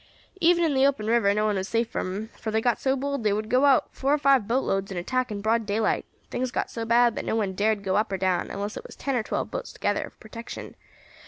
Even in the open river no one was safe from 'em, for they got so bold they would go out, four or five boat loads, and attack in broad daylight; things got so bad that no one dared go up or down, unless it was ten or twelve boats together for protection.